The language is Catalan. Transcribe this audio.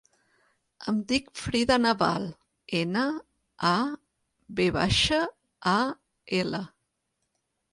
Em dic Frida Naval: ena, a, ve baixa, a, ela.